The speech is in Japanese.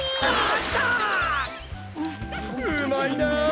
うまいな。